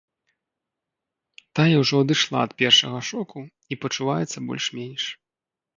Тая ўжо адышла ад першага шоку і пачуваецца больш-менш.